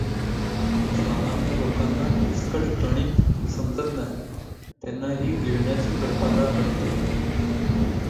सामान्य लोकांना किचकट गणित समजत नाही, त्यांना ही गिळण्या ची कल्पना पटते.